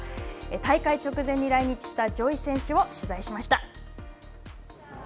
大会直前に来日したジョイ選手を取材しました。